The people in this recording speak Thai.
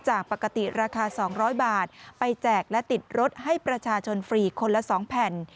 จากปกติราคา๒๐๐บาทไปแจกและติดรถให้ประชาชนฟรีคนละ๒แผ่น